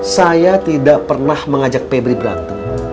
saya tidak pernah mengajak pebri berantem